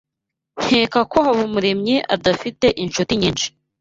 Nkeka ko Habumuremyi adafite inshuti nyinshi